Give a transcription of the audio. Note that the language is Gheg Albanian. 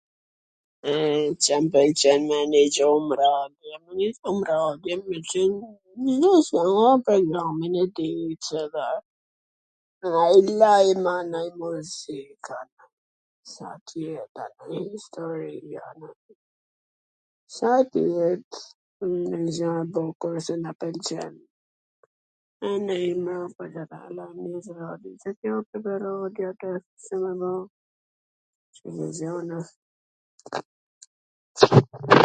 E Ca m pwlqen me nigju n radio, n radio m pwlqen ... programin e ..., nonj lajm a nanji muzik, sa t jet nonj istori a nonj gja e bukur si na pwlqen, ....